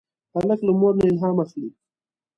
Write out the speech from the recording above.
هلک له مور نه الهام اخلي.